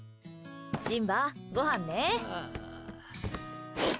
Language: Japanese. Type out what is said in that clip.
シンバ、ごはんね。